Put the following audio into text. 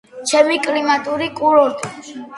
ცემი კლიმატური კურორტია.